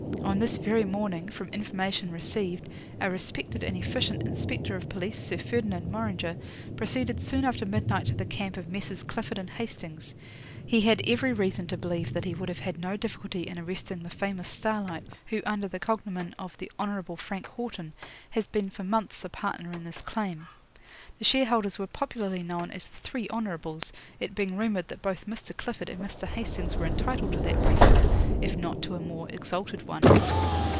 On this very morning, from information received, our respected and efficient Inspector of Police, Sir Ferdinand Morringer, proceeded soon after midnight to the camp of Messrs. Clifford and Hastings. He had every reason to believe that he would have had no difficulty in arresting the famous Starlight, who, under the cognomen of the Honourable Frank Haughton, has been for months a partner in this claim. The shareholders were popularly known as "the three Honourables", it being rumoured that both Mr. Clifford and Mr. Hastings were entitled to that prefix, if not to a more exalted one.